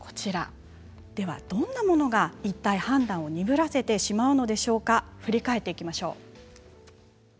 どんなものが判断を鈍らせてしまうんでしょうか振り返っていきましょう。